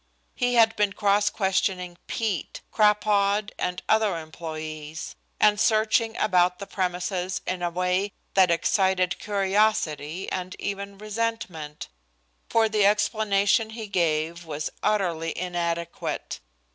He had been cross questioning Pete, "Crapaud" and other employees, and searching about the premises in a way that excited curiosity and even resentment, for the explanation he gave was utterly inadequate.